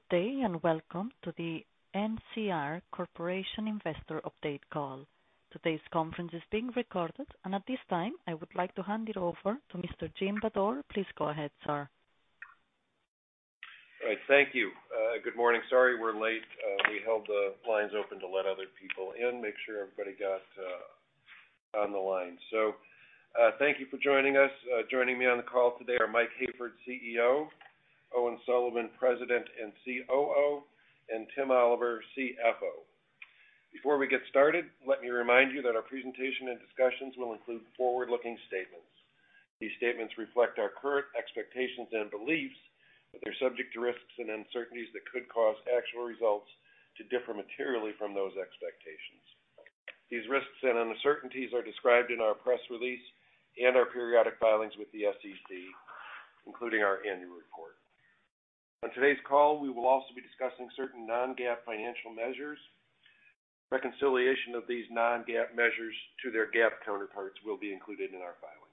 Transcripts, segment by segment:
Good day, and welcome to the NCR Corporation Investor Update Call. Today's conference is being recorded, and at this time, I would like to hand it over to Mr. Jim Bedore. Please go ahead, sir. All right. Thank you. Good morning. Sorry we're late. We held the lines open to let other people in, make sure everybody got on the line. Thank you for joining us. Joining me on the call today are Mike Hayford, CEO, Owen Sullivan, President and COO, and Tim Oliver, CFO. Before we get started, let me remind you that our presentation and discussions will include forward-looking statements. These statements reflect our current expectations and beliefs, but they're subject to risks and uncertainties that could cause actual results to differ materially from those expectations. These risks and uncertainties are described in our press release and our periodic filings with the SEC, including our annual report. On today's call, we will also be discussing certain non-GAAP financial measures. Reconciliation of these non-GAAP measures to their GAAP counterparts will be included in our filing.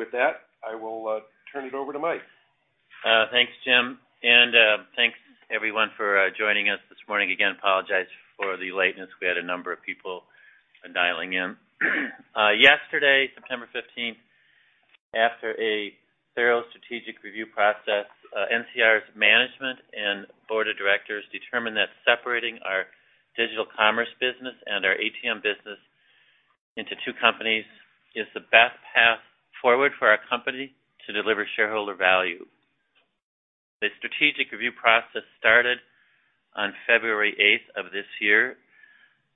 With that, I will turn it over to Mike. Thanks, Jim, and thanks, everyone, for joining us this morning. Again, apologize for the lateness. We had a number of people dialing in. Yesterday, 15 September 2023, after a thorough strategic review process, NCR's management and board of directors determined that separating our digital commerce business and our ATM business into two companies is the best path forward for our company to deliver shareholder value. The strategic review process started on 8 February of this year,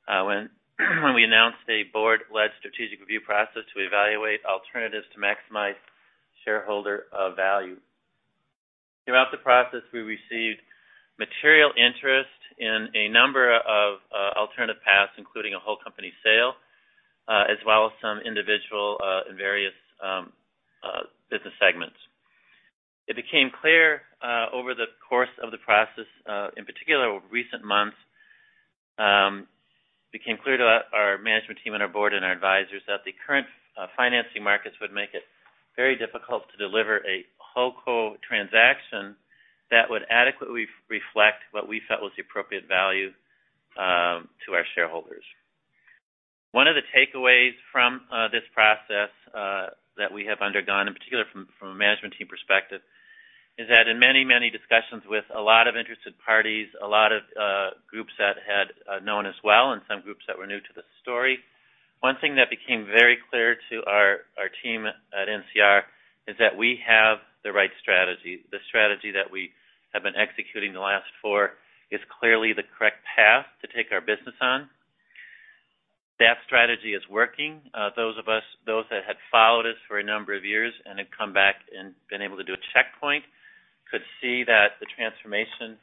when we announced a board-led strategic review process to evaluate alternatives to maximize shareholder value. Throughout the process, we received material interest in a number of alternative paths, including a whole company sale, as well as some individual and various business segments. It became clear over the course of the process, in particular over recent months, to our management team and our board and our advisors that the current financing markets would make it very difficult to deliver a wholeco transaction that would adequately reflect what we felt was the appropriate value to our shareholders. One of the takeaways from this process that we have undergone, in particular from a management team perspective, is that in many, many discussions with a lot of interested parties, a lot of groups that had known us well and some groups that were new to the story, one thing that became very clear to our team at NCR is that we have the right strategy. The strategy that we have been executing the last four is clearly the correct path to take our business on. That strategy is working. Those that had followed us for a number of years and had come back and been able to do a checkpoint could see that the transformation,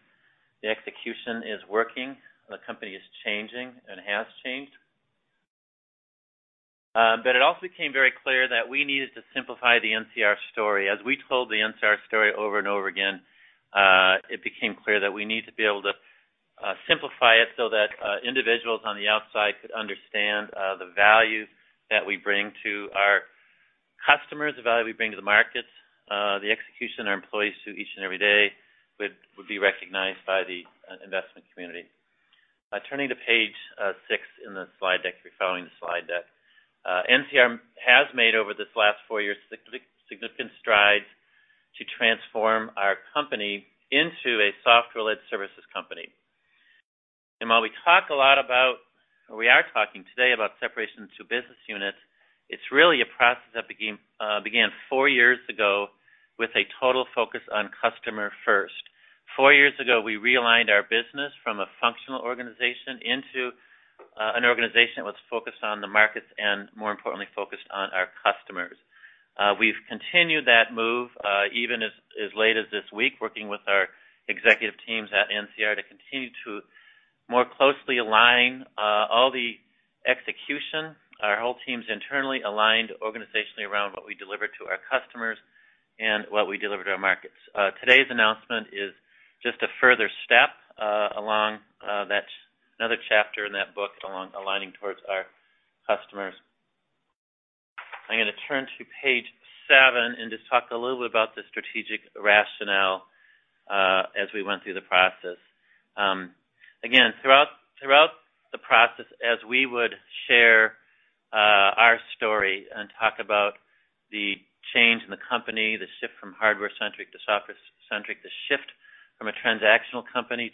the execution is working, the company is changing and has changed. It also became very clear that we needed to simplify the NCR story. As we told the NCR story over and over again, it became clear that we need to be able to simplify it so that individuals on the outside could understand the value that we bring to our customers, the value we bring to the markets, the execution our employees do each and every day would be recognized by the investment community. Turning to page six in the slide deck, if you're following the slide deck. NCR has made over this last four years, significant strides to transform our company into a software-led services company. While we talk a lot about, or we are talking today about separation to business units, it's really a process that began four years ago with a total focus on customer first. Four years ago, we realigned our business from a functional organization into an organization that was focused on the markets and more importantly, focused on our customers. We've continued that move, even as late as this week, working with our executive teams at NCR to continue to more closely align all the execution. Our whole team's internally aligned organizationally around what we deliver to our customers and what we deliver to our markets. Today's announcement is just a further step along that another chapter in that book along aligning towards our customers. I'm gonna turn to page seven and just talk a little bit about the strategic rationale as we went through the process. Again, throughout the process, as we would share our story and talk about the change in the company, the shift from hardware-centric to software-centric, the shift from a transactional company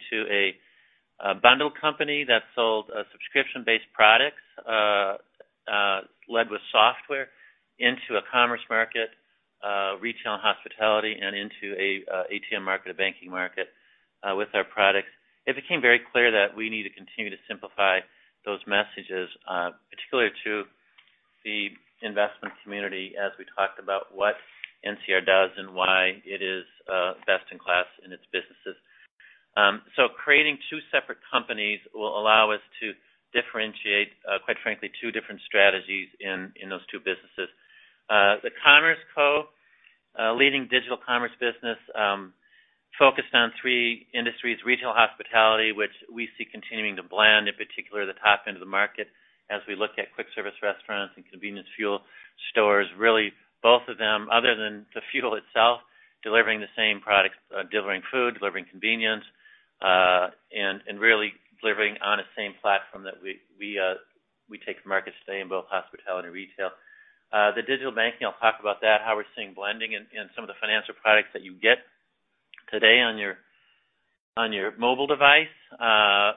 to a bundle company that sold subscription-based products led with software into a commerce market, retail and hospitality, and into a ATM market, a banking market with our products, it became very clear that we need to continue to simplify those messages, particularly to the investment community as we talked about what NCR does and why it is best in class in its businesses. Creating two separate companies will allow us to differentiate, quite frankly, two different strategies in those two businesses. The Commerce Co., leading digital commerce business, focused on three industries, retail, hospitality, which we see continuing to blend, in particular the top end of the market as we look at quick service restaurants and convenience and fuel retail stores. Really both of them, other than the fuel itself, delivering the same products, delivering food, delivering convenience, and really delivering on the same platform that we take to market today in both hospitality and retail. The digital banking, I'll talk about that, how we're seeing blending in some of the financial products that you get today on your mobile device,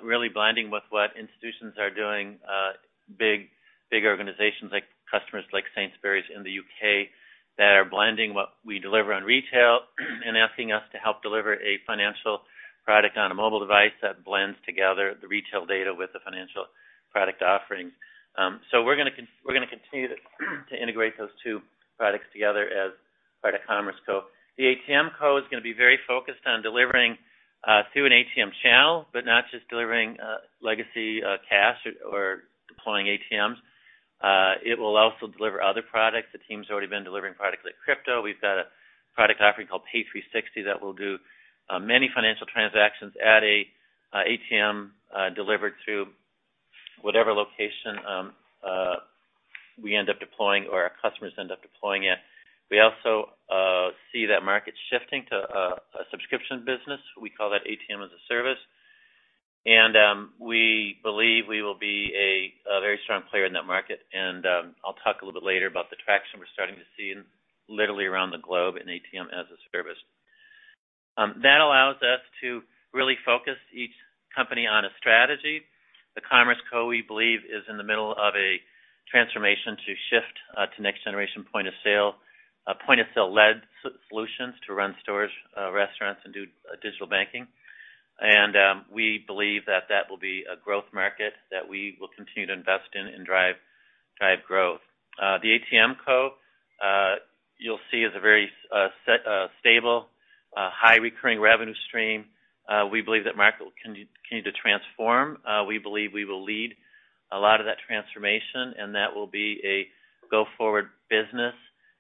really blending with what institutions are doing, big organizations like customers like Sainsbury's in the U.K. that are blending what we deliver on retail and asking us to help deliver a financial product on a mobile device that blends together the retail data with the financial product offerings. We're gonna continue to integrate those two products together as part of Commerce Co. The ATMCo. is gonna be very focused on delivering through an ATM channel, but not just delivering legacy cash or deploying ATMs. It will also deliver other products. The team's already been delivering products like crypto. We've got a product offering called NCR Pay360 that will do many financial transactions at an ATM delivered through whatever location we end up deploying or our customers end up deploying it. We also see that market shifting to a subscription business. We call that ATM as a Service. We believe we will be a very strong player in that market. I'll talk a little bit later about the traction we're starting to see literally around the globe in ATM as a Service. That allows us to really focus each company on a strategy. The Commerce Co., we believe, is in the middle of a transformation to shift to next-generation point-of-sale-led POS solutions to run stores, restaurants, and do digital banking. We believe that will be a growth market that we will continue to invest in and drive growth. The ATMCo., you'll see is a very stable, high recurring revenue stream. We believe that market will continue to transform. We believe we will lead a lot of that transformation, and that will be a go-forward business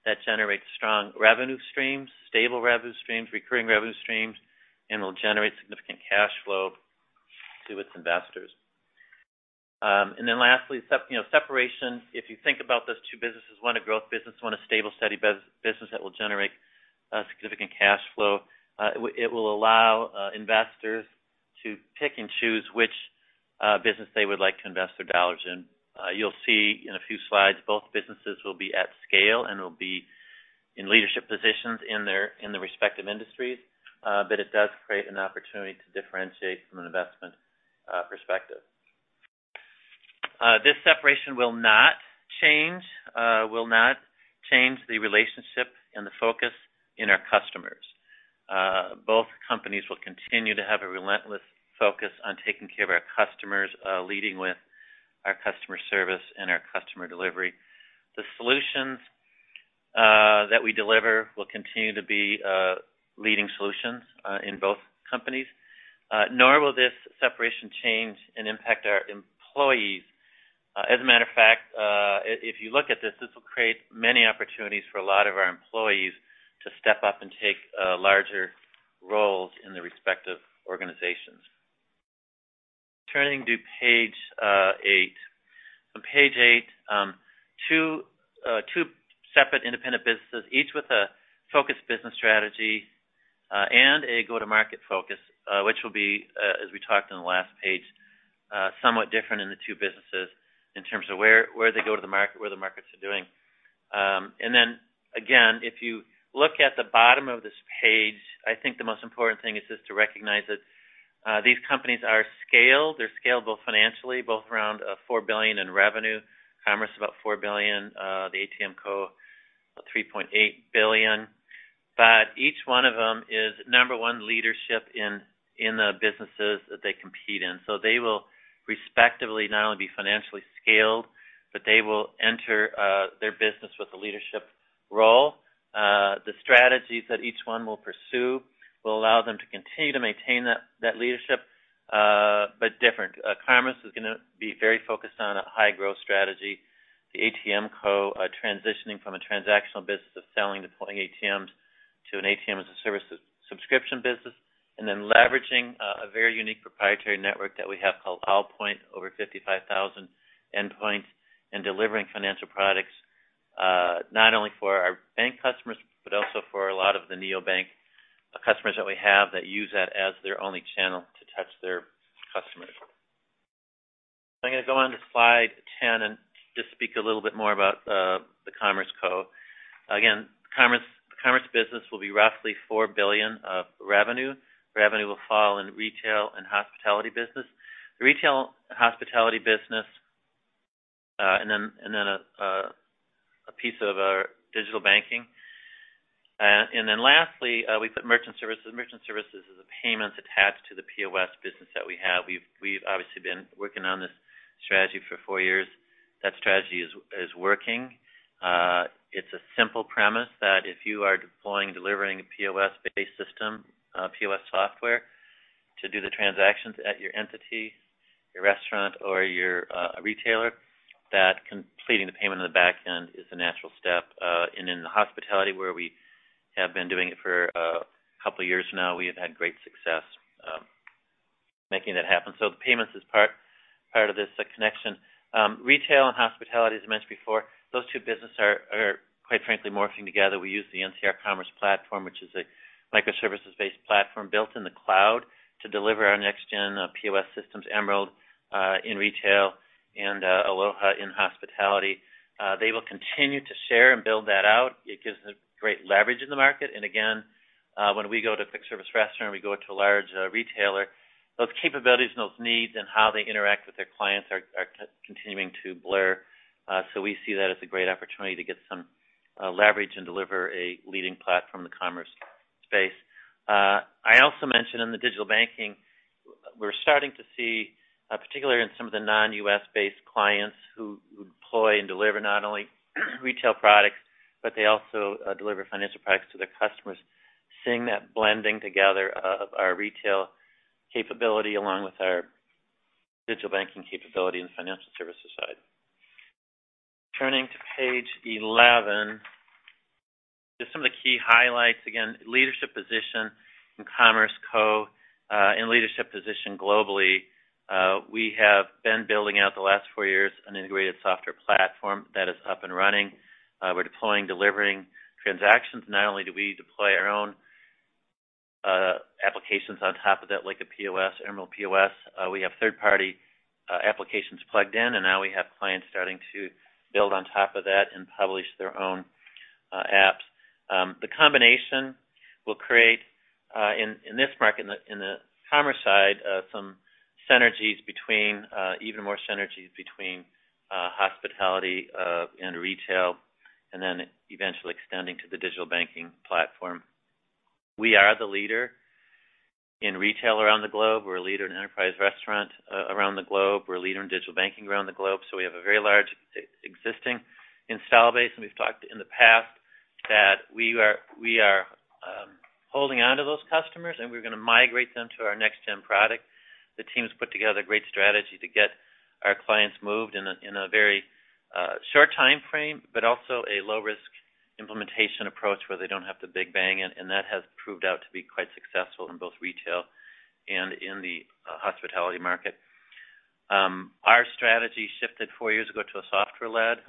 that generates strong revenue streams, stable revenue streams, recurring revenue streams, and will generate significant cash flow to its investors. Lastly, you know, separation, if you think about those two businesses, one a growth business, one a stable, steady business that will generate significant cash flow, it will allow investors to pick and choose which business they would like to invest their dollars in. You'll see in a few slides both businesses will be at scale and will be in leadership positions in their respective industries, but it does create an opportunity to differentiate from an investment perspective. This separation will not change the relationship and the focus in our customers. Both companies will continue to have a relentless focus on taking care of our customers, leading with our customer service and our customer delivery. The solutions that we deliver will continue to be leading solutions in both companies. Nor will this separation change and impact our employees. As a matter of fact, if you look at this will create many opportunities for a lot of our employees to step up and take larger roles in their respective organizations. Turning to page eight. On page eight, two separate independent businesses, each with a focused business strategy and a go-to-market focus, which will be, as we talked on the last page, somewhat different in the two businesses in terms of where they go to the market, where the markets are going. If you look at the bottom of this page, I think the most important thing is just to recognize that these companies are scaled. They're scaled both financially, both around $4 billion in revenue. Commerce Co. About $4 billion, the ATMCo. about $3.8 billion. Each one of them is number one leadership in the businesses that they compete in. They will respectively not only be financially scaled, but they will enter their business with a leadership role. The strategies that each one will pursue will allow them to continue to maintain that leadership, but different. Commerce is gonna be very focused on a high growth strategy. The ATMCo., transitioning from a transactional business of selling, deploying ATMs to an ATM as a Service subscription business, and then leveraging a very unique proprietary network that we have called Allpoint, over 55,000 endpoints, and delivering financial products, not only for our bank customers, but also for a lot of the neobank customers that we have that use that as their only channel to touch their customers. I'm gonna go on to slide 10 and just speak a little bit more about the Commerce Co. Again, Commerce business will be roughly $4 billion of revenue. Revenue will fall in retail and hospitality business. The retail hospitality business, and then a piece of our digital banking. Lastly, we put merchant services. Merchant services is a payment attached to the POS business that we have. We've obviously been working on this strategy for four years. That strategy is working. It's a simple premise that if you are deploying and delivering a POS-based system, POS software to do the transactions at your entity, your restaurant or your retailer, that completing the payment on the back end is a natural step. In the hospitality where we have been doing it for a couple of years now, we have had great success making that happen. The payments is part of this connection. Retail and hospitality, as I mentioned before, those two businesses are quite frankly morphing together. We use the NCR Commerce Platform, which is a microservices-based platform built in the cloud to deliver our next-gen POS systems, Emerald, in retail and Aloha in hospitality. They will continue to share and build that out. It gives great leverage in the market. Again, when we go to quick service restaurant, we go to a large retailer. Those capabilities and those needs and how they interact with their clients are continuing to blur. We see that as a great opportunity to get some leverage and deliver a leading platform in the commerce space. I also mentioned in the digital banking, we're starting to see particularly in some of the non-U.S.-based clients who deploy and deliver not only retail products, but they also deliver financial products to their customers. Seeing that blending together of our retail capability along with our digital banking capability in the financial services side. Turning to page 11. Just some of the key highlights. Again, leadership position in Commerce Co., and leadership position globally. We have been building out the last four years an integrated software platform that is up and running. We're deploying, delivering transactions. Not only do we deploy our own applications on top of that, like a POS, Emerald POS, we have third-party applications plugged in, and now we have clients starting to build on top of that and publish their own apps. The combination will create, in this market, in the commerce side, some synergies between, even more synergies between, hospitality and retail, and then eventually extending to the digital banking platform. We are the leader in retail around the globe. We're a leader in enterprise restaurant around the globe. We're a leader in digital banking around the globe. We have a very large existing install base, and we've talked in the past that we are holding onto those customers, and we're gonna migrate them to our next gen product. The team has put together a great strategy to get our clients moved in a very short timeframe, but also a low risk implementation approach where they don't have to big bang, and that has proved out to be quite successful in both retail and in the hospitality market. Our strategy shifted four years ago to a software-led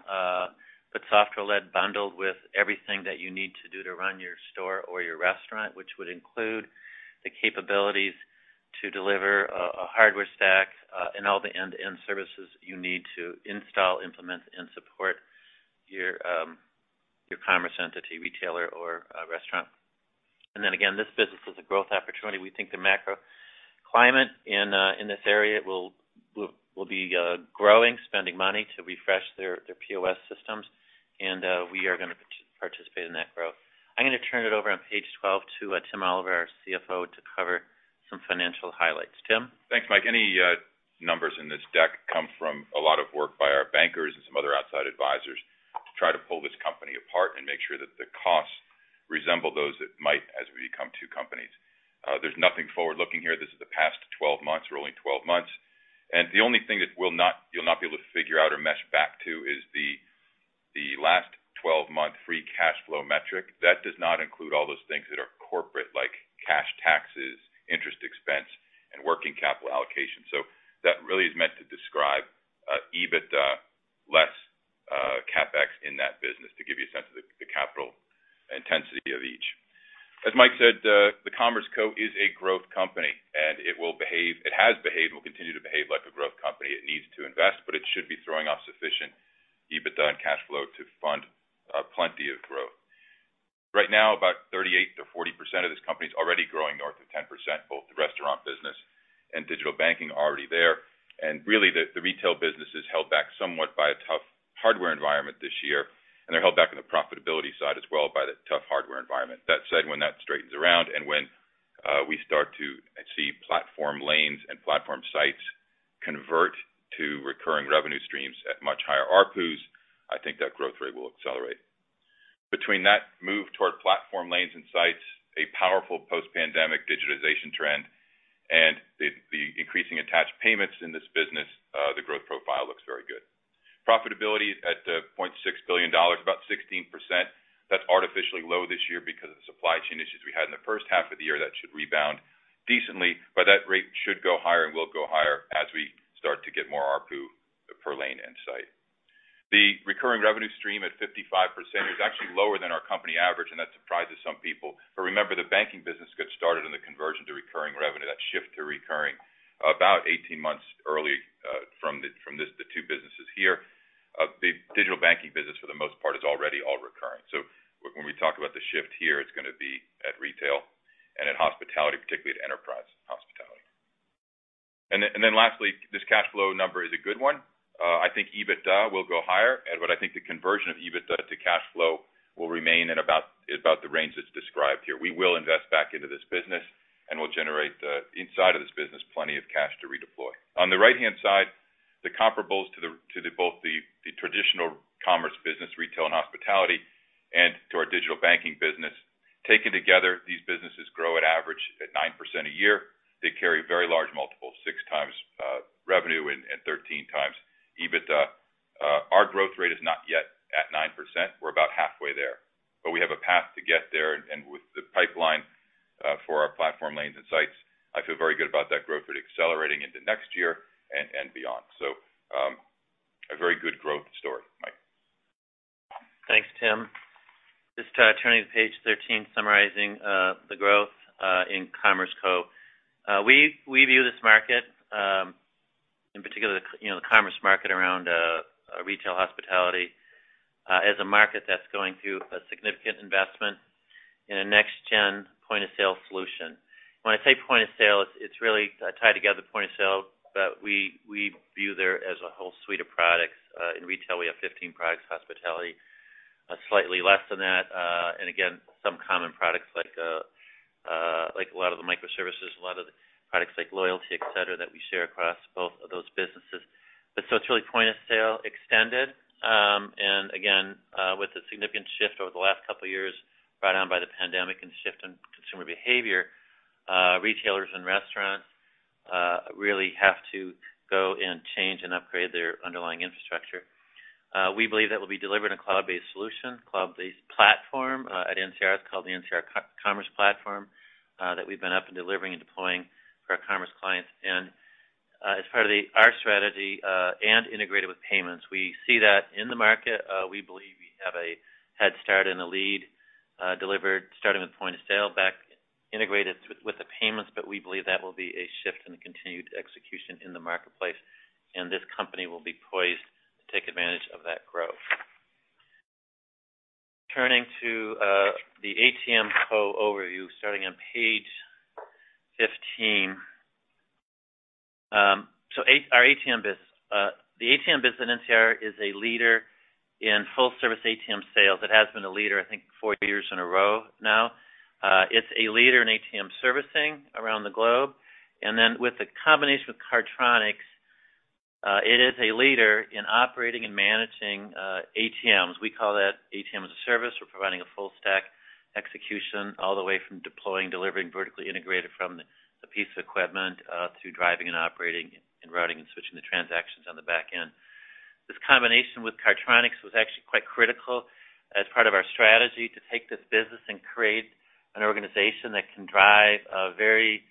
bundled with everything that you need to do to run your store or your restaurant, which would include the capabilities to deliver a hardware stack and all the end-to-end services you need to install, implement, and support your commerce entity, retailer or a restaurant. This business is a growth opportunity. We think the macro climate in this area will be growing, spending money to refresh their POS systems, and we are gonna participate in that growth. I'm gonna turn it over on page 12 to Tim Oliver, our CFO, to cover some financial highlights. Tim. Thanks, Mike. Any numbers in this deck come from a lot of work by our bankers and some other outside advisors to try to pull this company apart and make sure that the costs resemble those that might as we become two companies. There's nothing forward-looking here. This is the past 12 months, rolling 12 months. The only thing that you'll not be able to figure out or mesh back to is the last 12-month free cash flow metric. That does not include all those things that are corporate, like cash taxes, interest expense, and working capital allocation. That really is meant to describe EBITDA less CapEx in that business to give you a sense of the capital intensity of each. As Mike said, the Commerce Co. is a growth company, and it will behave, it has behaved and will continue to behave like a growth company. It needs to invest, but it should be throwing off sufficient EBITDA and cash flow to fund plenty of growth. Right now, about 38%-40% of this company is already growing north of 10%, both the restaurant business and digital banking are already there. Really, the retail business is held back somewhat by a tough hardware environment this year, and they're held back on the profitability side as well by the tough hardware environment. That said, when that straightens around and when we start to see platform lanes and platform sites convert to recurring revenue streams at much higher ARPU, I think that growth rate will accelerate. Between that move toward platform lanes and sites, a powerful post-pandemic digitization trend, and the increasing attached payments in this business, the growth profile looks very good. Profitability at $0.6 billion, about 16%. That's artificially low this year because of the supply chain issues we had in the first half of the year. That should rebound decently. That rate should go higher and will go higher as we start to get more ARPU per lane and site. The recurring revenue stream at 55% is actually lower than our company average, and that surprises some people. Remember, the banking business got started in the conversion to recurring revenue. That shift to recurring about 18 months early, from this, the two businesses here. The digital banking business for the most part is already all recurring. When we talk about the shift here, it's gonna be at retail and at hospitality, particularly at enterprise hospitality. Lastly, this cash flow number is a good one. I think EBITDA will go higher, but I think the conversion of EBITDA to cash flow will remain in about the range that's described here. We will invest back into this business, and we'll generate inside of this business plenty of cash to redeploy. On the right-hand side, comparables to both the traditional commerce business, retail and hospitality, and to our digital banking business. Taken together, these businesses grow at average 9% a year. They carry very large multiples, 6x revenue and 13x EBITDA. Our growth rate is not yet at 9%, we're about halfway there. We have a path to get there and with the pipeline for our platform lanes and sites. I feel very good about that growth rate accelerating into next year and beyond. A very good growth story. Mike. Thanks, Tim. Just turning to page 13, summarizing the growth in Commerce Co. We view this market, in particular, you know, the commerce market around retail hospitality, as a market that's going through a significant investment in a next-gen point-of-sale solution. When I say point of sale, it's really tied together point of sale, but we view there as a whole suite of products. In retail, we have 15 products, hospitality, slightly less than that. And again, some common products like a lot of the microservices, a lot of the products like loyalty, et cetera, that we share across both of those businesses. It's really point of sale extended, and again, with a significant shift over the last couple years brought on by the pandemic and shift in consumer behavior, retailers and restaurants really have to go and change and upgrade their underlying infrastructure. We believe that will be delivered in a cloud-based solution, cloud-based platform, at NCR. It's called the NCR Commerce Platform that we've been up and delivering and deploying for our commerce clients. As part of our strategy, and integrated with payments, we see that in the market, we believe we have a head start and a lead, delivered starting with point of sale back integrated with the payments. We believe that will be a shift in the continued execution in the marketplace, and this company will be poised to take advantage of that growth. Turning to the ATMCo overview, starting on page 15. Our ATM business at NCR is a leader in full service ATM sales. It has been a leader, I think, four years in a row now. It's a leader in ATM servicing around the globe. With the combination with Cardtronics, it is a leader in operating and managing ATMs. We call that ATM as a Service. We're providing a full stack execution all the way from deploying, delivering vertically integrated from the piece of equipment through driving and operating and routing and switching the transactions on the back end. This combination with Cardtronics was actually quite critical as part of our strategy to take this business and create an organization that can drive a very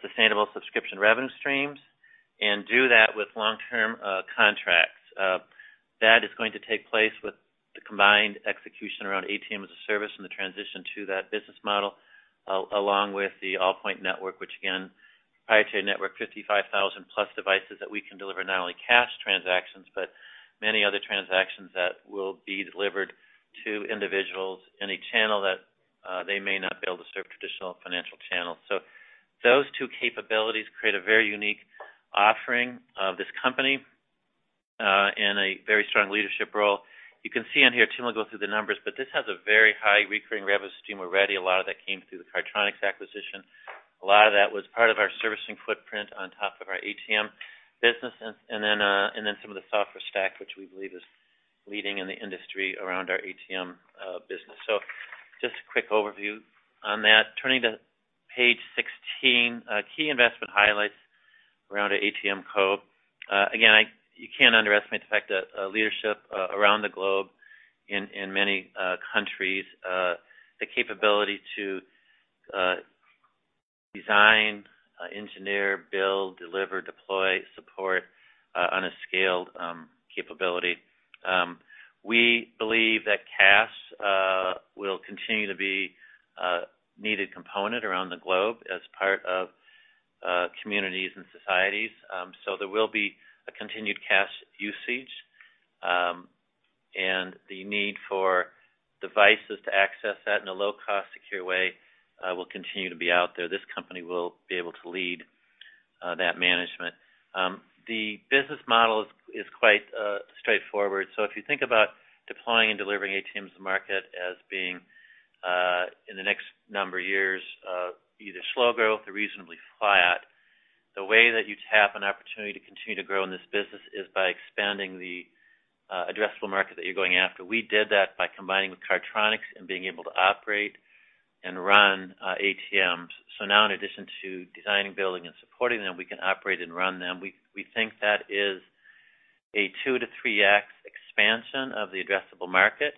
sustainable subscription revenue streams and do that with long-term contracts. That is going to take place with the combined execution around ATM as a Service and the transition to that business model, along with the Allpoint network, which again, proprietary network, 55,000+ devices that we can deliver not only cash transactions, but many other transactions that will be delivered to individuals in a channel that they may not be able to serve traditional financial channels. Those two capabilities create a very unique offering of this company in a very strong leadership role. You can see on here, Tim will go through the numbers, but this has a very high recurring revenue stream already. A lot of that came through the Cardtronics acquisition. A lot of that was part of our servicing footprint on top of our ATM business and some of the software stack, which we believe is leading in the industry around our ATM business. Just a quick overview on that. Turning to page 16, key investment highlights around our ATMCo. Again, you can't underestimate the fact that leadership around the globe in many countries, the capability to design, engineer, build, deliver, deploy, support on a scaled capability. We believe that cash will continue to be a needed component around the globe as part of communities and societies. There will be a continued cash usage, and the need for devices to access that in a low-cost, secure way, will continue to be out there. This company will be able to lead that management. The business model is quite straightforward. If you think about deploying and delivering ATMs to market as being, in the next number of years, either slow growth or reasonably flat, the way that you tap an opportunity to continue to grow in this business is by expanding the addressable market that you're going after. We did that by combining with Cardtronics and being able to operate and run ATMs. Now in addition to designing, building and supporting them, we can operate and run them. We think that is a 2x-3x expansion of the addressable market.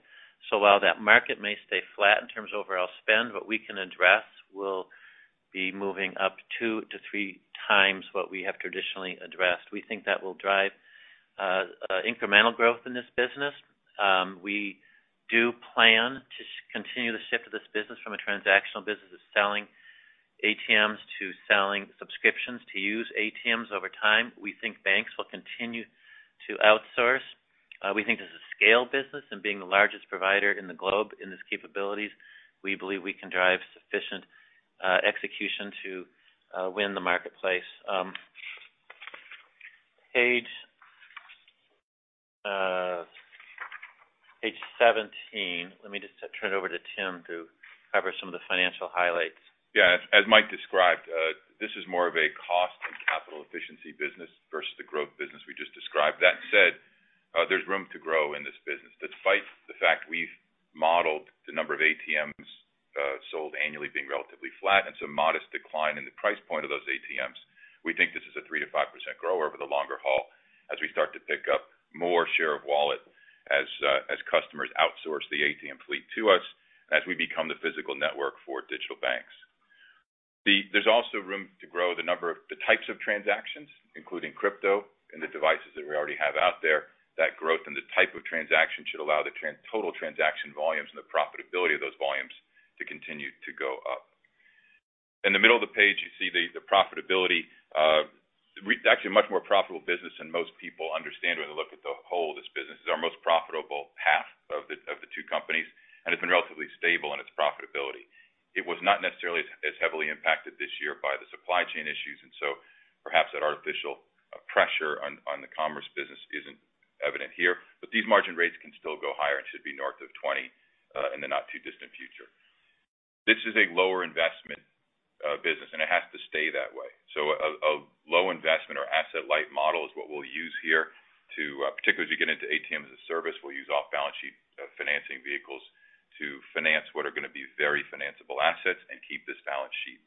While that market may stay flat in terms of overall spend, what we can address will be moving up 2x-3x what we have traditionally addressed. We think that will drive incremental growth in this business. We do plan to continue the shift of this business from a transactional business of selling ATMs to selling subscriptions to use ATMs over time. We think banks will continue to outsource. We think this is a scale business and being the largest provider in the globe in this capabilities, we believe we can drive sufficient execution to win the marketplace. Page 17. Let me just turn it over to Tim to cover some of the financial highlights. Yeah. As Mike described, this is more of a cost and capital efficiency business versus the growth business we just described. That said, there's room to grow in this business despite the fact we've modeled the number of ATMs sold annually being relatively flat and some modest decline in the price point of those ATMs. We think this is a 3%-5% growth over the longer haul as we start to pick up more share of wallet as customers outsource the ATM fleet to us as we become the physical network for digital banks. There's also room to grow the number of the types of transactions, including crypto and the devices that we already have out there. That growth and the type of transaction should allow the total transaction volumes and the profitability of those volumes to continue to go up. In the middle of the page, you see the profitability, actually a much more profitable business than most people understand when they look at the whole of this business. It's our most profitable half of the two companies, and it's been relatively stable in its profitability. It was not necessarily as heavily impacted this year by the supply chain issues, and so perhaps that artificial pressure on the commerce business isn't evident here. But these margin rates can still go higher and should be north of 20% in the not too distant future. This is a lower investment business, and it has to stay that way. Low investment or asset light model is what we'll use here to, particularly as you get into ATM as a Service, we'll use off-balance sheet financing vehicles to finance what are gonna be very financiable assets and keep this balance sheet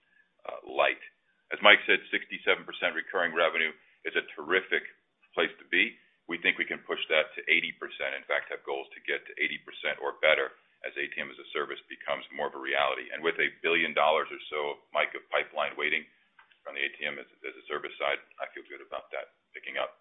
light. As Mike said, 67% recurring revenue is a terrific place to be. We think we can push that to 80%, in fact, have goals to get to 80% or better as ATM as a Service becomes more of a reality. With $1 billion or so, Mike, of pipeline waiting on the ATM as a Service side, I feel good about that picking up.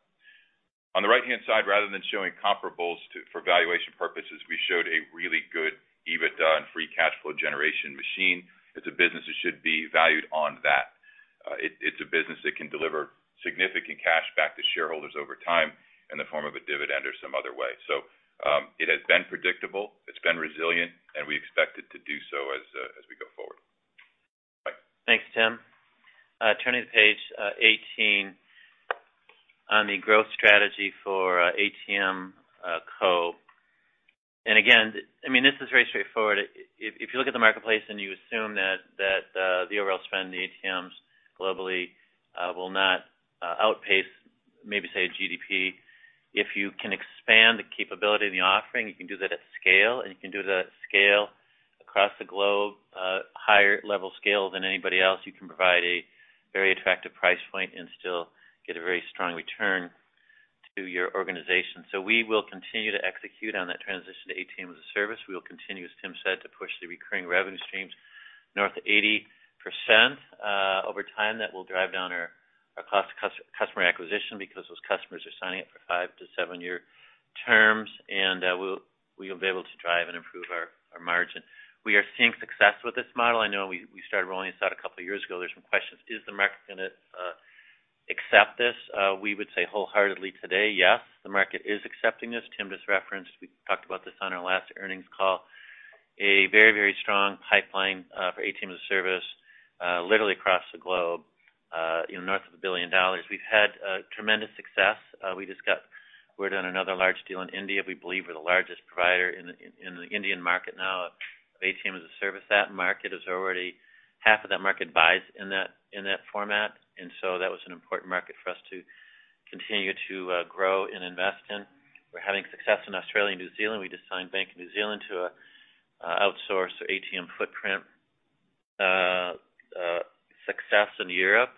On the right-hand side, rather than showing comparables for valuation purposes, we showed a really good EBITDA and free cash flow generation machine. It's a business that should be valued on that. It's a business that can deliver significant cash back to shareholders over time in the form of a dividend or some other way. It has been predictable, it's been resilient, and we expect it to do so as we go forward. Mike. Thanks, Tim. Turning to page 18 on the growth strategy for ATMCo. Again, I mean, this is very straightforward. If you look at the marketplace and you assume that the overall spend in the ATMs globally will not outpace, maybe say a GDP, if you can expand the capability of the offering, you can do that at scale, and you can do that at scale across the globe at a higher level scale than anybody else, you can provide a very attractive price point and still get a very strong return to your organization. We will continue to execute on that transition to ATM as a Service. We will continue, as Tim said, to push the recurring revenue streams north of 80%. Over time, that will drive down our cost to customer acquisition because those customers are signing up for five- to seven-year terms, and we'll be able to drive and improve our margin. We are seeing success with this model. I know we started rolling this out a couple of years ago. There's some questions. Is the market gonna accept this? We would say wholeheartedly today, yes, the market is accepting this. Tim just referenced, we talked about this on our last earnings call, a very strong pipeline for ATM as a Service, literally across the globe, you know, north of $1 billion. We've had tremendous success. We're doing another large deal in India. We believe we're the largest provider in the Indian market now of ATM as a Service. That market is already half of that market buys in that format, so that was an important market for us to continue to grow and invest in. We're having success in Australia and New Zealand. We just signed Bank of New Zealand to outsource their ATM footprint. Success in Europe.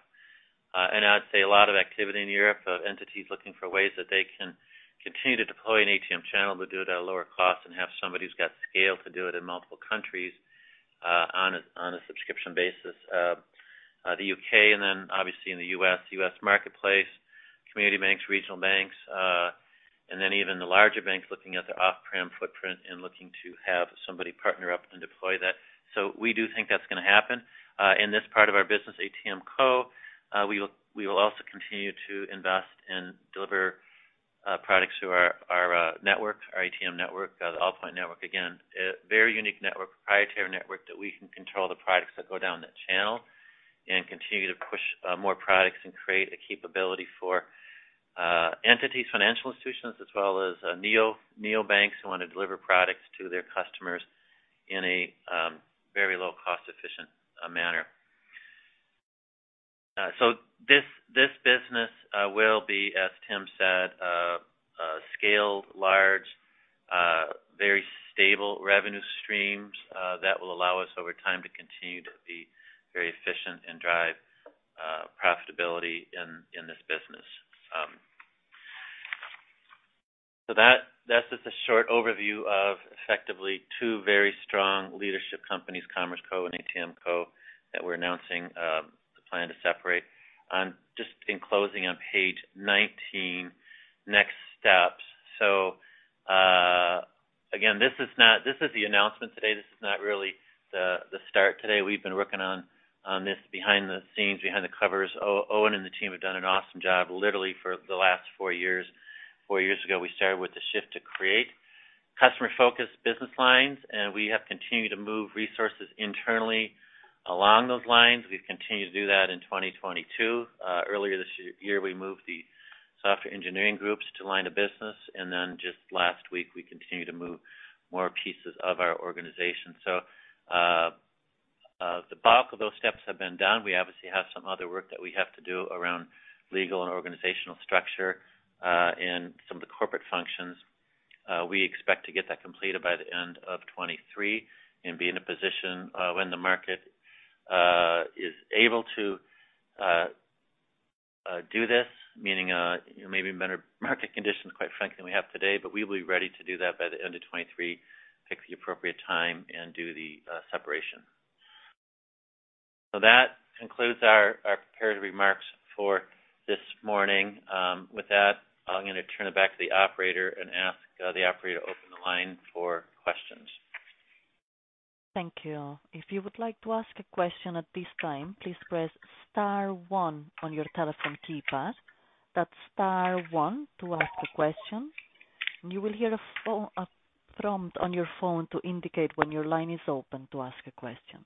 I'd say a lot of activity in Europe of entities looking for ways that they can continue to deploy an ATM channel but do it at a lower cost and have somebody who's got scale to do it in multiple countries, on a subscription basis. The U.K. and then obviously in the U.S., U.S. marketplace, community banks, regional banks, and then even the larger banks looking at their off-prem footprint and looking to have somebody partner up and deploy that. We do think that's gonna happen. In this part of our business, ATMCo, we will also continue to invest and deliver products through our network, our ATM network, the Allpoint network. Again, a very unique network, proprietary network that we can control the products that go down that channel and continue to push more products and create the capability for entities, financial institutions, as well as neobanks who want to deliver products to their customers in a very low cost efficient manner. This business will be, as Tim said, scaled large, very stable revenue streams that will allow us over time to continue to be very efficient and drive profitability in this business. That, that's just a short overview of effectively two very strong leading companies, Commerce Co and ATMCo, that we're announcing the plan to separate. Just in closing on page 19, next steps. Again, this is the announcement today. This is not really the start today. We've been working on this behind the scenes, behind closed doors. Owen and the team have done an awesome job literally for the last four years. Four years ago, we started with the shift to create customer-focused business lines, and we have continued to move resources internally. Along those lines, we've continued to do that in 2022. Earlier this year, we moved the software engineering groups to line of business, and then just last week, we continued to move more pieces of our organization. The bulk of those steps have been done. We obviously have some other work that we have to do around legal and organizational structure, and some of the corporate functions. We expect to get that completed by the end of 2023 and be in a position, when the market is able to do this, meaning, you know, maybe better market conditions, quite frankly, than we have today. We will be ready to do that by the end of 2023, pick the appropriate time and do the separation. That concludes our prepared remarks for this morning. With that, I'm gonna turn it back to the operator and ask the operator to open the line for questions. Thank you. If you would like to ask a question at this time, please press star one on your telephone keypad. That's star one to ask a question. You will hear a prompt on your phone to indicate when your line is open to ask a question.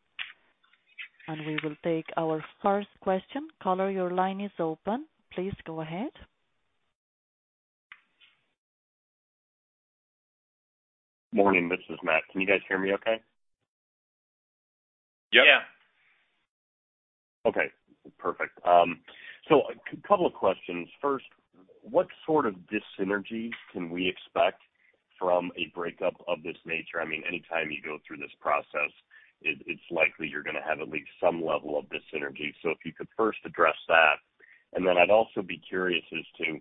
We will take our first question. Caller, your line is open. Please go ahead. Morning, this is Matt. Can you guys hear me okay? Yep. Yeah. Okay, perfect. A couple of questions. First, what sort of dyssynergy can we expect from a breakup of this nature? I mean, anytime you go through this process, it's likely you're gonna have at least some level of dyssynergy. If you could first address that. Then I'd also be curious as to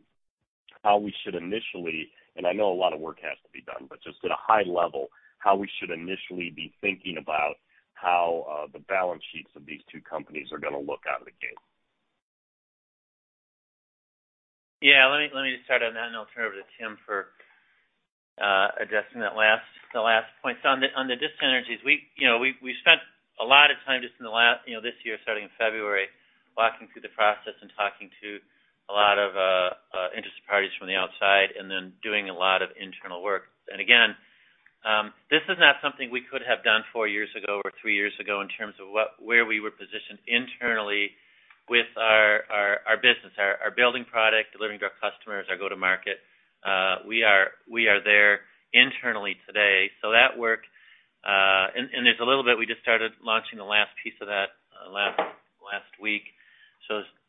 how we should initially, and I know a lot of work has to be done, but just at a high level, how we should initially be thinking about how the balance sheets of these two companies are gonna look out of the gate. Yeah, let me just start on that, and then I'll turn it over to Tim for addressing the last point. On the dyssynergies, you know, we spent a lot of time just in the last, you know, this year, starting in February, walking through the process and talking to a lot of interested parties from the outside and then doing a lot of internal work. Again, this is not something we could have done four years ago or three years ago in terms of where we were positioned internally with our business, our building product, delivering to our customers, our go-to market. We are there internally today. That work, and there's a little bit, we just started launching the last piece of that last week.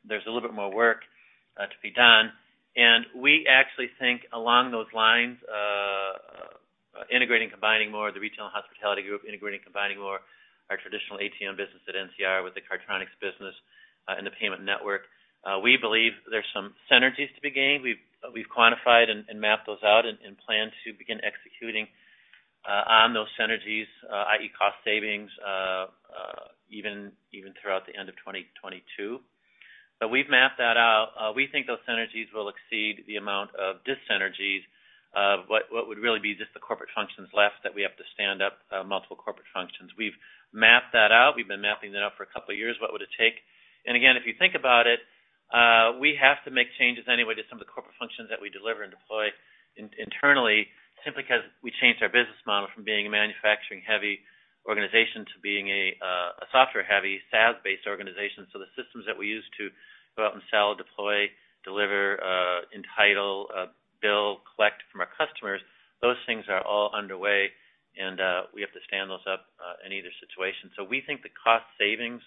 There's a little bit more work to be done. We actually think along those lines, integrating, combining more of the retail and hospitality group, integrating, combining more our traditional ATM business at NCR with the Cardtronics business, and the payment network. We believe there's some synergies to be gained. We've quantified and mapped those out and plan to begin executing on those synergies, i.e. cost savings, even throughout the end of 2022. We've mapped that out. We think those synergies will exceed the amount of dyssynergies of what would really be just the corporate functions left that we have to stand up, multiple corporate functions. We've mapped that out. We've been mapping that out for a couple of years. What would it take? Again, if you think about it, we have to make changes anyway to some of the corporate functions that we deliver and deploy internally, simply 'cause we changed our business model from being a manufacturing-heavy organization to being a software-heavy, SaaS-based organization. The systems that we use to go out and sell, deploy, deliver, entitle, bill, collect from our customers, those things are all underway, and we have to stand those up in either situation. We think the cost savings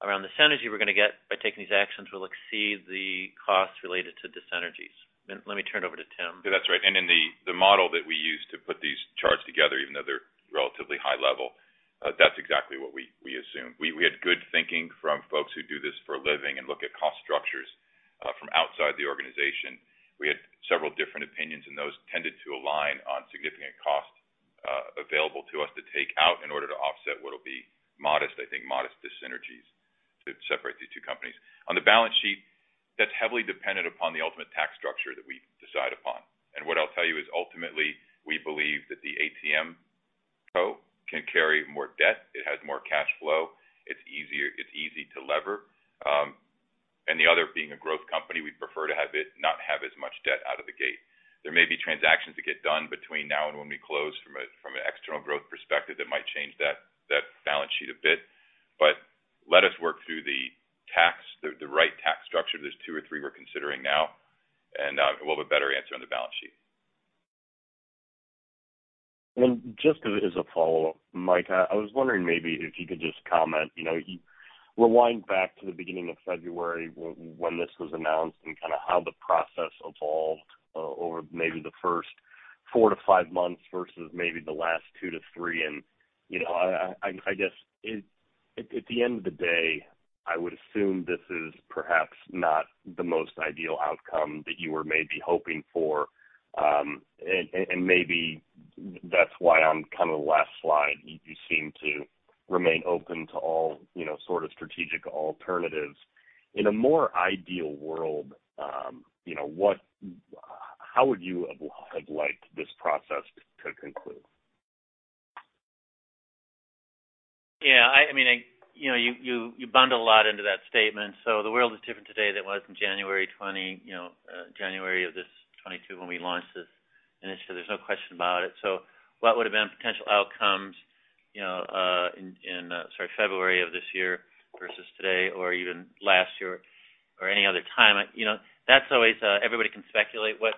around the synergy we're gonna get by taking these actions will exceed the costs related to dyssynergies. Let me turn it over to Tim. Yeah, that's right. In the model that we use to put these charts together, even though they're relatively high level, that's exactly what we assume. We had good thinking from folks who do this for a living and look at cost structures from outside the organization. We had several different opinions, and those tended to align on significant cost available to us to take out in order to offset what'll be modest, I think modest dyssynergies to separate these two companies. On the balance sheet, that's heavily dependent upon the ultimate tax structure that we decide upon. What I'll tell you is ultimately, we believe that the ATMCo. can carry more debt. It has more cash flow. It's easy to lever. The other being a growth company, we'd prefer to have it not have as much debt out of the gate. There may be transactions that get done between now and when we close from an external growth perspective that might change that balance sheet a bit. Let us work through the right tax structure. There's two or three we're considering now, and we'll have a better answer on the balance sheet. Just as a follow-up, Mike, I was wondering maybe if you could just comment, you know, rewind back to the beginning of February when this was announced and kinda how the process evolved over maybe the first four to five months versus maybe the last two to three. You know, I guess at the end of the day, I would assume this is perhaps not the most ideal outcome that you were maybe hoping for. And maybe that's why on kind of the last slide, you seem to remain open to all, you know, sort of strategic alternatives. In a more ideal world, you know, how would you have liked this process to conclude? Yeah. I mean, you know, you bundled a lot into that statement. The world is different today than it was in January 2020 when we launched this initiative. There's no question about it. What would have been potential outcomes in February of this year versus today or even last year or any other time? That's always everybody can speculate what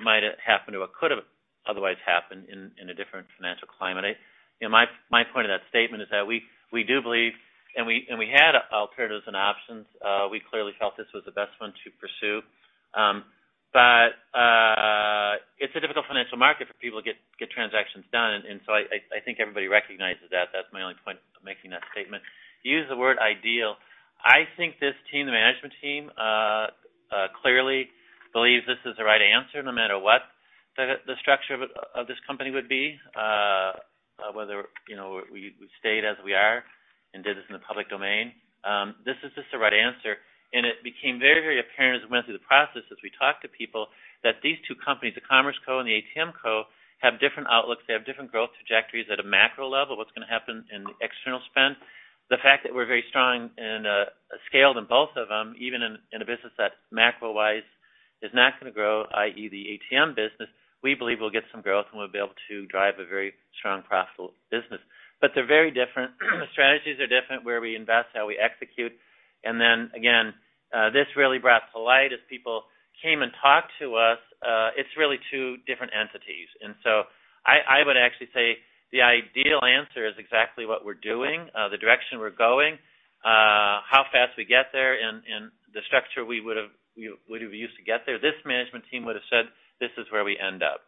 might have happened or what could have otherwise happened in a different financial climate. My point of that statement is that we do believe and we had alternatives and options. We clearly felt this was the best one to pursue. It's a difficult financial market for people to get transactions done. I think everybody recognizes that. That's my only point of making that statement. You use the word ideal. I think this team, the management team, clearly believes this is the right answer, no matter what the structure of this company would be, whether, you know, we stayed as we are and did this in the public domain. This is just the right answer. It became very, very apparent as we went through the process, as we talked to people, that these two companies, the Commerce Co. and the ATMCo., have different outlooks. They have different growth trajectories at a macro level. What's going to happen in external spend? The fact that we're very strong and scaled in both of them, even in a business that macro-wise is not going to grow, i.e. The ATM business, we believe we'll get some growth and we'll be able to drive a very strong profitable business. They're very different. The strategies are different, where we invest, how we execute. This really brought to light as people came and talked to us. It's really two different entities. I would actually say the ideal answer is exactly what we're doing, the direction we're going, how fast we get there and the structure we would have used to get there. This management team would have said, "This is where we end up."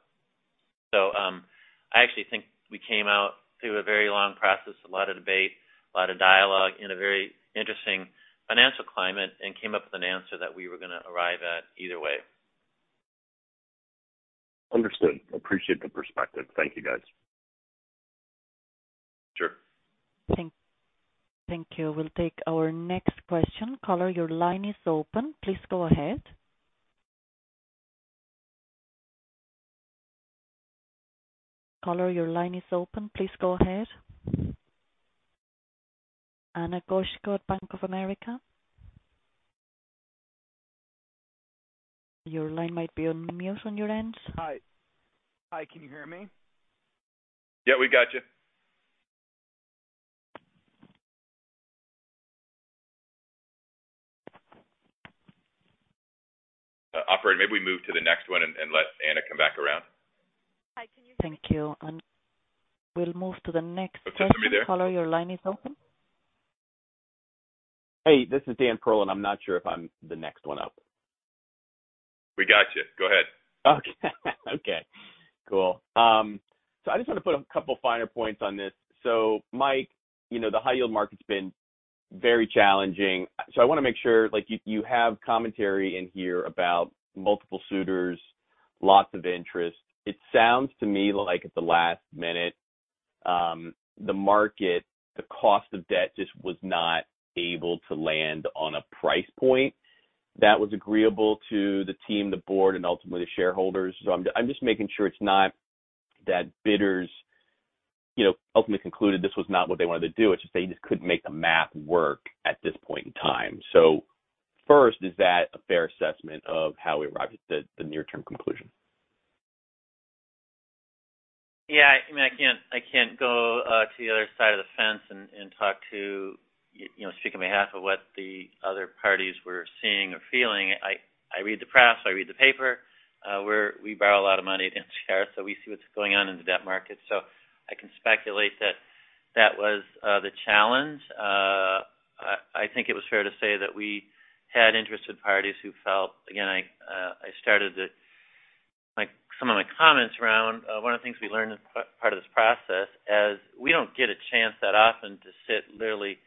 I actually think we came out through a very long process, a lot of debate, a lot of dialogue in a very interesting financial climate, and came up with an answer that we were going to arrive at either way. Understood. Appreciate the perspective. Thank you, guys. Sure. Thank you. We'll take our next question. Caller, your line is open. Please go ahead. Caller, your line is open. Please go ahead. Ana Goshko, Bank of America. Your line might be on mute on your end. Hi. Hi, can you hear me? Yeah, we got you. Operator, maybe we move to the next one and let Ana come back around. Hi, can you- Thank you. We'll move to the next one. Is somebody there? Caller, your line is open. Hey, this is Dan Perlin, and I'm not sure if I'm the next one up. We got you. Go ahead. Okay. Okay, cool. I just want to put a couple finer points on this. Mike, you know, the high yield market's been very challenging. I want to make sure, like, you have commentary in here about multiple suitors, lots of interest. It sounds to me like at the last minute, the market, the cost of debt just was not able to land on a price point that was agreeable to the team, the board and ultimately the shareholders. I'm just making sure it's not that bidders, you know, ultimately concluded this was not what they wanted to do. It's just they just couldn't make the math work at this point in time. First, is that a fair assessment of how we arrived at the near-term conclusion? Yeah, I mean, I can't go to the other side of the fence and talk to, you know, speak on behalf of what the other parties were seeing or feeling. I read the press, I read the paper. We borrow a lot of money at NCR, so we see what's going on in the debt market. I can speculate that was the challenge. I think it was fair to say that we had interested parties who felt. Again, I started some of my comments around one of the things we learned as part of this process as we don't get a chance that often to sit literally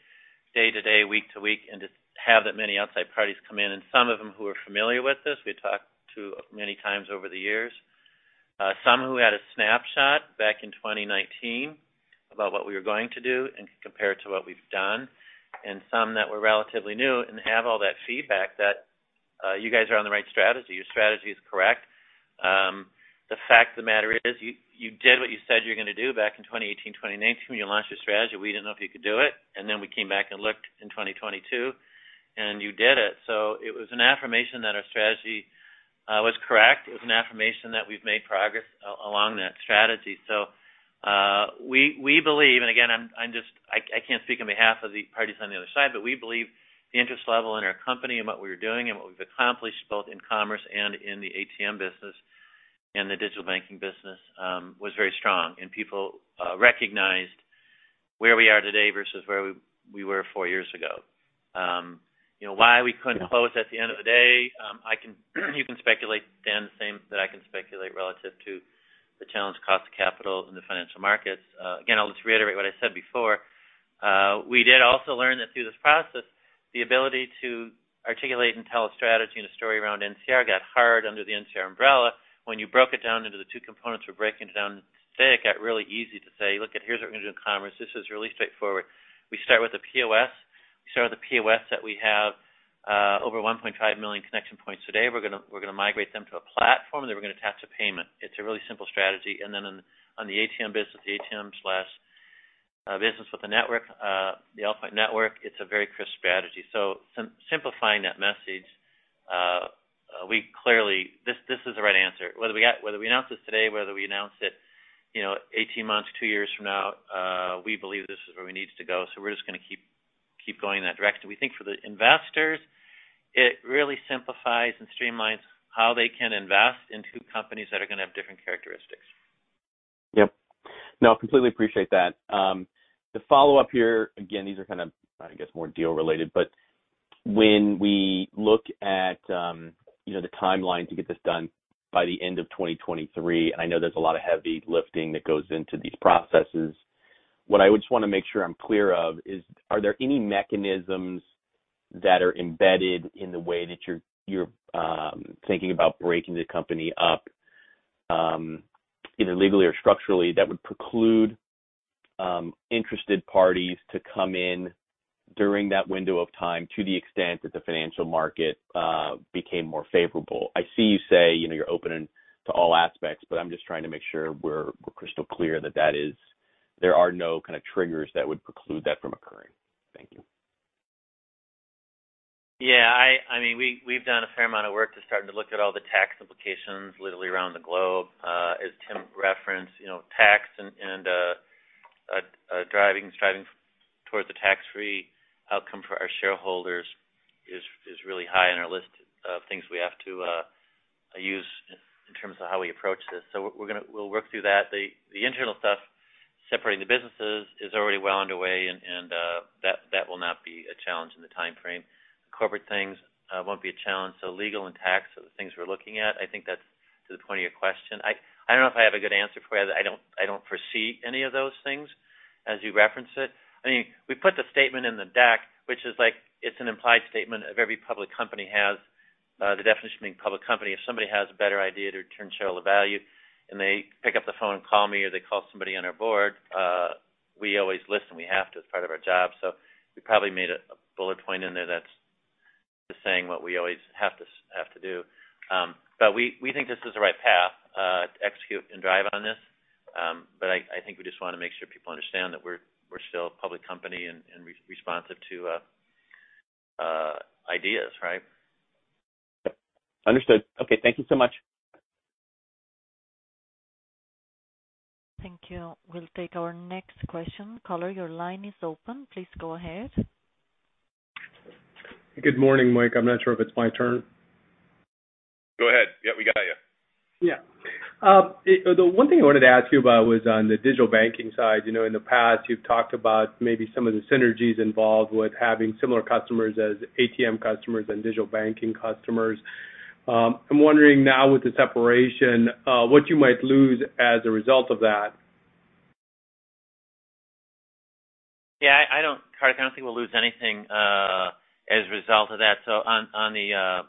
day to day, week to week, and to have that many outside parties come in. Some of them who are familiar with this, we talked to many times over the years. Some who had a snapshot back in 2019 about what we were going to do and compared to what we've done, and some that were relatively new and have all that feedback that you guys are on the right strategy. Your strategy is correct. The fact of the matter is you did what you said you're gonna do back in 2018, 2019 when you launched your strategy. We didn't know if you could do it. We came back and looked in 2022 and you did it. It was an affirmation that our strategy was correct. It was an affirmation that we've made progress along that strategy. We believe and again, I can't speak on behalf of the parties on the other side, but we believe the interest level in our company and what we were doing and what we've accomplished both in Commerce and in the ATM business and the digital banking business was very strong. People recognized where we are today versus where we were four years ago. You know, why we couldn't close at the end of the day, you can speculate, Dan, the same as I can speculate relative to the challenging cost of capital in the financial markets. Again, I'll just reiterate what I said before. We did also learn that through this process, the ability to articulate and tell a strategy and a story around NCR got hard under the NCR umbrella. When you broke it down into the two components we're breaking it down today, it got really easy to say, "Look, it, here's what we're gonna do in Commerce. This is really straightforward." We start with the POS. We start with the POS that we have over 1.5 million connection points today. We're gonna migrate them to a platform, then we're gonna attach a payment. It's a really simple strategy. Then on the ATM business, the ATM/digital banking, our business with the network, the Allpoint network, it's a very crisp strategy. Simplifying that message, we clearly this is the right answer. Whether we announce this today, whether we announce it, you know, 18 months, two years from now, we believe this is where we need to go. We're just gonna keep going in that direction. We think for the investors, it really simplifies and streamlines how they can invest into companies that are gonna have different characteristics. Yep. No, completely appreciate that. The follow-up here, again, these are kind of, I guess, more deal related, but when we look at, you know, the timeline to get this done by the end of 2023, and I know there's a lot of heavy lifting that goes into these processes. What I would just wanna make sure I'm clear of is: are there any mechanisms that are embedded in the way that you're thinking about breaking the company up, either legally or structurally, that would preclude interested parties to come in during that window of time to the extent that the financial market became more favorable? I see you say, you know, you're open to all aspects, but I'm just trying to make sure we're crystal clear that is, there are no kind of triggers that would preclude that from occurring. Thank you. Yeah, I mean, we've done a fair amount of work starting to look at all the tax implications literally around the globe. As Tim referenced, you know, tax and striving towards a tax-free outcome for our shareholders is really high on our list of things we have to use in terms of how we approach this. We'll work through that. The internal stuff, separating the businesses is already well underway and that will not be a challenge in the timeframe. Corporate things won't be a challenge. Legal and tax are the things we're looking at. I think that's to the point of your question. I don't know if I have a good answer for you. I don't foresee any of those things as you reference it. I mean, we put the statement in the deck, which is like it's an implied statement of every public company has, the definition being public company. If somebody has a better idea to return shareholder value and they pick up the phone and call me or they call somebody on our board, we always listen. We have to. It's part of our job. We probably made a bullet point in there that's just saying what we always have to do. But we think this is the right path to execute and drive on this. But I think we just wanna make sure people understand that we're still a public company and responsive to ideas, right? Yep. Understood. Okay. Thank you so much. Thank you. We'll take our next question. Caller, your line is open. Please go ahead. Good morning, Mike. I'm not sure if it's my turn. Go ahead. Yeah, we got you. Yeah. The one thing I wanted to ask you about was on the digital banking side. You know, in the past, you've talked about maybe some of the synergies involved with having similar customers as ATM customers and digital banking customers. I'm wondering now with the separation, what you might lose as a result of that? Yeah, Kartik, I don't think we'll lose anything as a result of that. On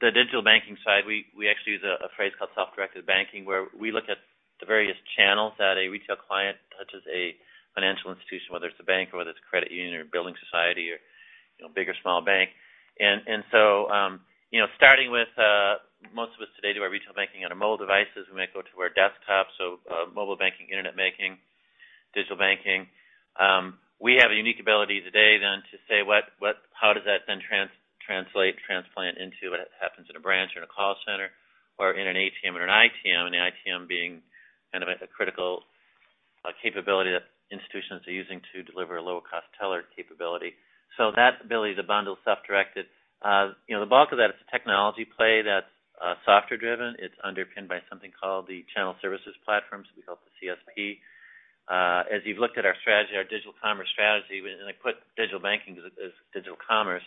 the digital banking side, you know, we actually use a phrase called self-directed banking, where we look at the various channels that a retail client touches a financial institution, whether it's a bank or whether it's a credit union or building society or, you know, big or small bank. You know, starting with most of us today do our retail banking on our mobile devices. We may go to our desktop. Mobile banking, internet banking, digital banking. We have a unique ability today then to say, what, how does that then translate into what happens in a branch or in a call center or in an ATM or an ITM, and the ITM being kind of a critical capability that institutions are using to deliver a low-cost teller capability. That ability to bundle self-directed. You know, the bulk of that is a technology play that's software-driven. It's underpinned by something called the Channel Services Platform, so we call it the CSP. As you've looked at our strategy, our digital commerce strategy, and I put digital banking as digital commerce,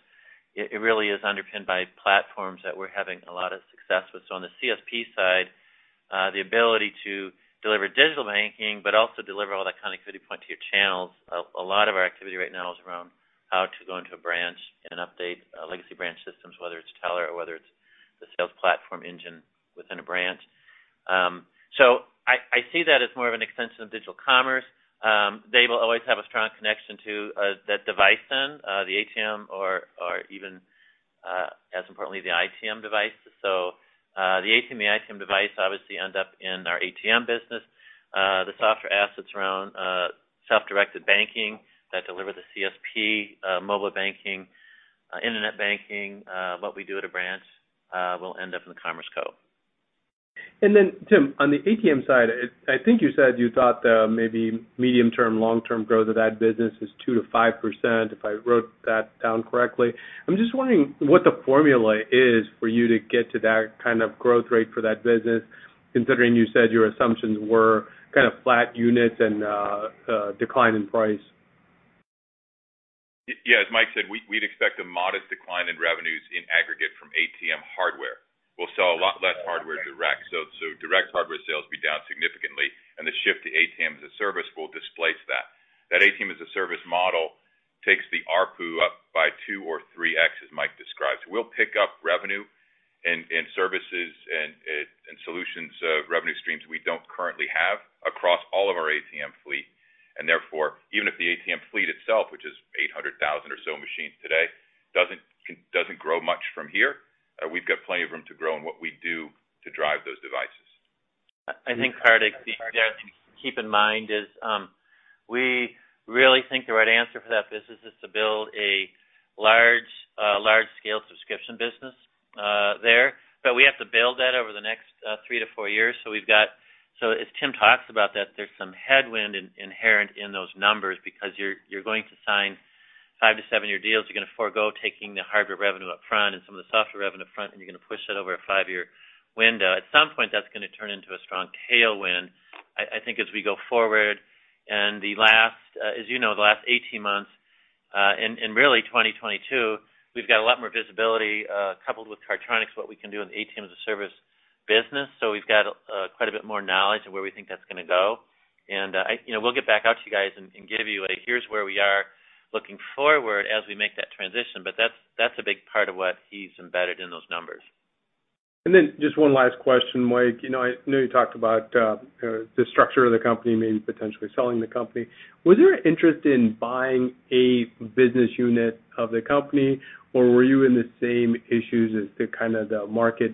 it really is underpinned by platforms that we're having a lot of success with. On the CSP side, the ability to deliver digital banking but also deliver all that connectivity point to your channels. A lot of our activity right now is around how to go into a branch and update legacy branch systems, whether it's teller or whether it's the sales platform engine within a branch. I see that as more of an extension of digital commerce. They will always have a strong connection to that device than the ATM or even as importantly the ITM device. The ATM, the ITM device obviously end up in our ATMCo. The software assets around self-directed banking that deliver the CSP, mobile banking, internet banking, what we do at a branch, will end up in the Commerce Co. Tim, on the ATM side, I think you said you thought maybe medium-term, long-term growth of that business is 2%-5%, if I wrote that down correctly. I'm just wondering what the formula is for you to get to that kind of growth rate for that business, considering you said your assumptions were kind of flat units and decline in price. Yeah. As Mike said, we'd expect a modest decline in revenues in aggregate from ATM hardware. We'll sell a lot less hardware direct hardware sales will be down significantly, and the shift to ATM as a Service will displace that. That ATM as a Service model takes the ARPU up by 2x or 3x, as Mike described. We'll pick up revenue and services and solutions revenue streams we don't currently have across all of our ATM fleet. Therefore, even if the ATM fleet itself, which is 800,000 or so machines today, doesn't grow much from here, we've got plenty of room to grow in what we do to drive those devices. I think, Kartik, the other thing to keep in mind is, we really think the right answer for that business is to build a large-scale subscription business there. We have to build that over the next 3 years-four years. As Tim talks about that, there's some headwind inherent in those numbers because you're going to sign 5-7-year deals, you're gonna forgo taking the hardware revenue up front and some of the software revenue up front, and you're gonna push that over a five-year window. At some point, that's gonna turn into a strong tailwind, I think, as we go forward. The last, as you know, the last 18 months, and really 2022, we've got a lot more visibility, coupled with Cardtronics, what we can do in the ATM-as-a-service business. We've got quite a bit more knowledge of where we think that's gonna go. You know, we'll get back out to you guys and give you a here's where we are looking forward as we make that transition. That's a big part of what he's embedded in those numbers. Just one last question, Mike. You know, I know you talked about the structure of the company, maybe potentially selling the company. Was there an interest in buying a business unit of the company, or were you in the same issues as the kinda the market,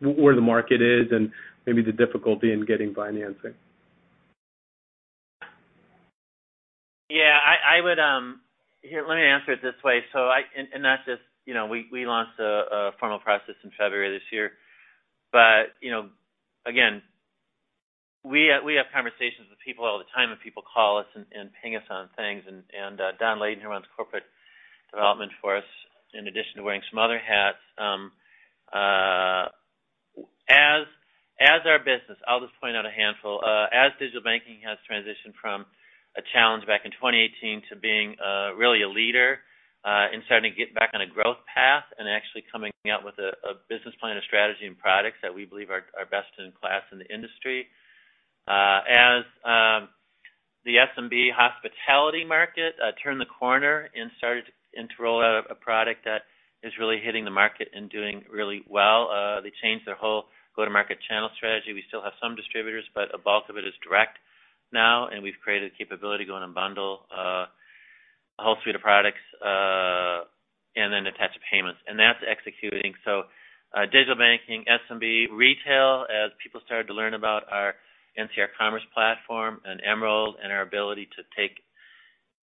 where the market is and maybe the difficulty in getting financing? Yeah, I would. Here, let me answer it this way. That's just, you know, we launched a formal process in February this year. You know, again, we have conversations with people all the time, and people call us and ping us on things. Don Layden, who runs corporate development for us, in addition to wearing some other hats, as our business, I'll just point out a handful. As digital banking has transitioned from a challenge back in 2018 to being really a leader and starting to get back on a growth path and actually coming out with a business plan, a strategy, and products that we believe are best in class in the industry. The SMB hospitality market turned the corner and started to roll out a product that is really hitting the market and doing really well. They changed their whole go-to-market channel strategy. We still have some distributors, but a bulk of it is direct now, and we've created capability to go in and bundle a whole suite of products and then attach payments, and that's executing. Digital banking, SMB, retail, as people started to learn about our NCR Commerce Platform and Emerald and our ability to take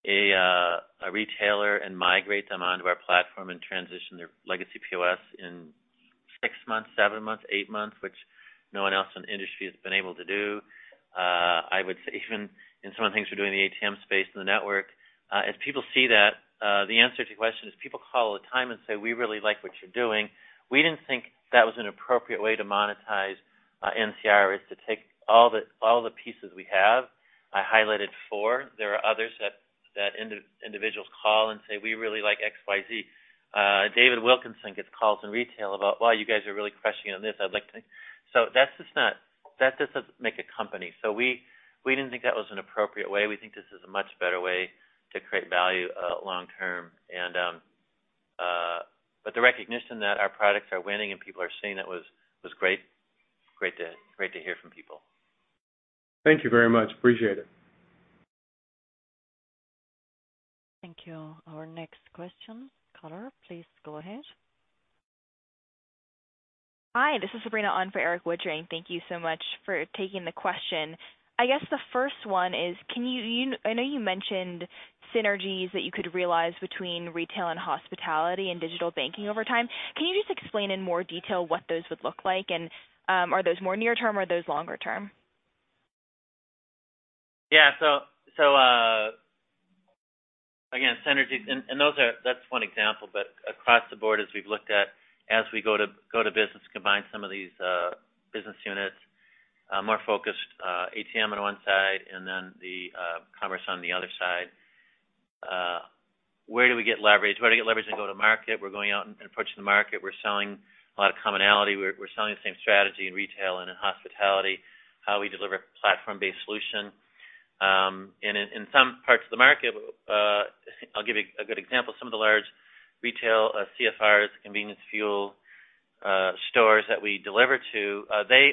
a retailer and migrate them onto our platform and transition their legacy POS in six months, seven months, eight months, which no one else in the industry has been able to do. I would say even in some of the things we're doing in the ATM space and the network, as people see that, the answer to your question is people call all the time and say, "We really like what you're doing." We didn't think that was an appropriate way to monetize NCR is to take all the pieces we have. I highlighted four. There are others that individuals call and say, "We really like X, Y, Z." David Wilkinson gets calls in retail about, "Wow, you guys are really crushing it on this. I'd like to." That's just not. That doesn't make a company. We didn't think that was an appropriate way. We think this is a much better way to create value long term. The recognition that our products are winning and people are seeing it was great to hear from people. Thank you very much. Appreciate it. Thank you. Our next question, caller. Please go ahead. Hi, this is Sabrina on for Erik Woodring. Thank you so much for taking the question. I guess the first one is, I know you mentioned synergies that you could realize between retail and hospitality and digital banking over time. Can you just explain in more detail what those would look like? Are those more near term, or are those longer term? Yeah. Again, synergies, and those are—that's one example. Across the board, as we've looked at, as we go to business, combine some of these business units, more focused ATM on one side and then the commerce on the other side. Where do we get leverage in go-to-market? We're going out and approaching the market. We're selling a lot of commonality. We're selling the same strategy in retail and in hospitality, how we deliver platform-based solution. In some parts of the market, I'll give you a good example. Some of the large retail CFRs, convenience & fuel stores that we deliver to, the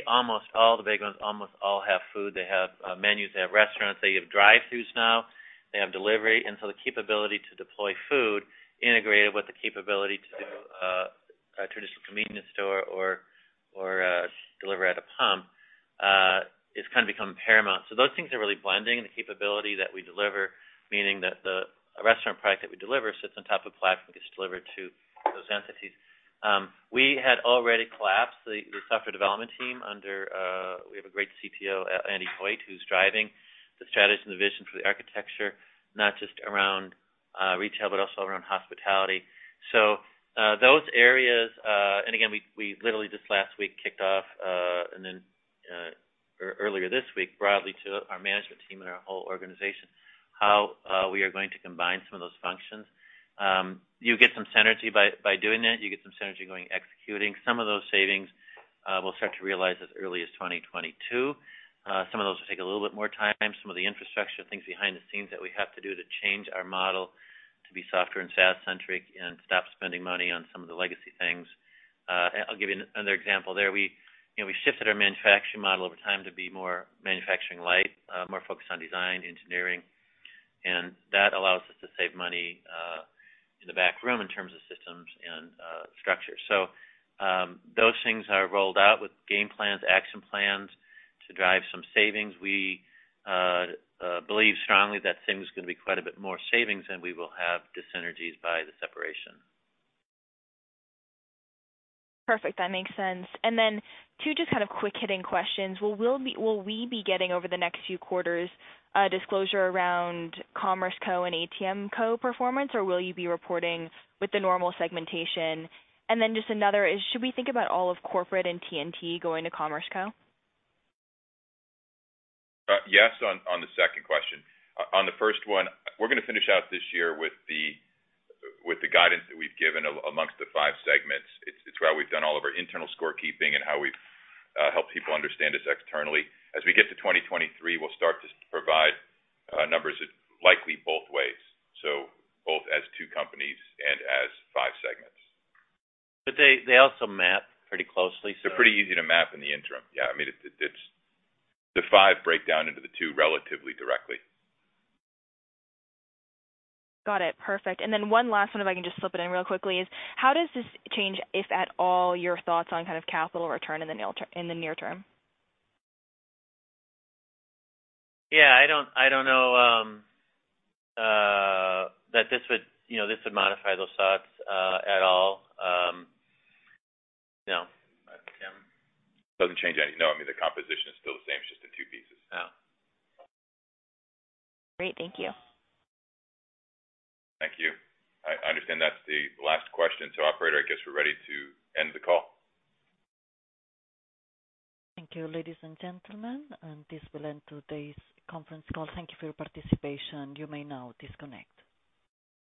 big ones almost all have food. They have menus. They have restaurants. They have drive-throughs now. They have delivery. The capability to deploy food integrated with the capability to a traditional convenience store or deliver at a pump has kinda become paramount. Those things are really blending, and the capability that we deliver, meaning that the restaurant product that we deliver sits on top of platform and gets delivered to those entities. We had already collapsed the software development team under we have a great CPO, Nick East, who's driving the strategy and the vision for the architecture, not just around retail, but also around hospitality. Those areas and again we literally just last week kicked off and then earlier this week, broadly to our management team and our whole organization, how we are going to combine some of those functions. You get some synergy by doing that. You get some synergy going executing. Some of those savings, we'll start to realize as early as 2022. Some of those will take a little bit more time. Some of the infrastructure things behind the scenes that we have to do to change our model to be software and SaaS-centric and stop spending money on some of the legacy things. I'll give you another example there. We, you know, we shifted our manufacturing model over time to be more manufacturing light, more focused on design, engineering, and that allows us to save money in the back room in terms of systems and structure. Those things are rolled out with game plans, action plans to drive some savings. We believe strongly that things is gonna be quite a bit more savings than we will have dyssynergies by the separation. Perfect. That makes sense. Two just kind of quick hitting questions. Well, will we be getting over the next few quarters, disclosure around Commerce Co and ATMCo performance, or will you be reporting with the normal segmentation? Just another is, should we think about all of corporate and T&T going to Commerce Co? Yes, on the second question. On the first one, we're gonna finish out this year with the guidance that we've given among the five segments. It's how we've done all of our internal score keeping and how we've helped people understand us externally. As we get to 2023, we'll start to provide numbers likely both ways, so both as two companies and as five segments. They also map pretty closely. They're pretty easy to map in the interim. Yeah. I mean, it's the five break down into the two relatively directly. Got it. Perfect. One last one, if I can just slip it in real quickly, is how does this change, if at all, your thoughts on kind of capital return in the near term? Yeah. I don't know that this would, you know, this would modify those thoughts at all. No. Tim? Doesn't change any. No. I mean, the composition is still the same, it's just in two pieces. Yeah. Great. Thank you. Thank you. I understand that's the last question. Operator, I guess we're ready to end the call. Thank you, ladies and gentlemen. This will end today's conference call. Thank you for your participation. You may now disconnect.